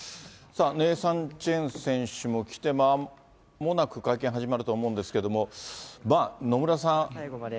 ネイサン・チェン選手も来て、まもなく会見始まると思うんですけども、野村さん。